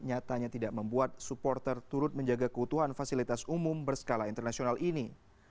nyatanya tidak membuat supporter turut menjaga keutuhan fasilitas umum berskala internasional ini